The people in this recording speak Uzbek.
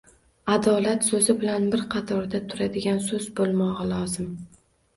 «adolat» so‘zi bilan bir qatorda turadigan so‘z bo‘lmog‘i lozim.